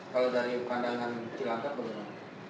kalau dari pandangan cilangka berapa